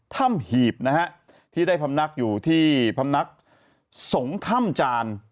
ท่ำหีบที่ได้พำนักอยู่ที่พำนักสงฆ์ท่ำจาน